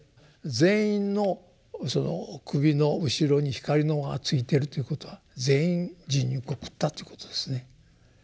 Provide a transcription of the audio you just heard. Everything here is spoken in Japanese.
全員の首の後ろに光の輪がついてるということは全員人肉を食ったっていうことですね。